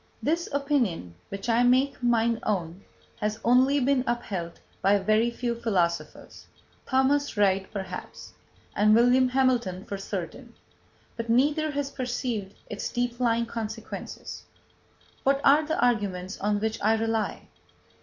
This opinion, which I make mine own, has only been upheld by very few philosophers Thomas Reid perhaps, and William Hamilton for certain; but neither has perceived its deep lying consequences. What are the arguments on which I rely?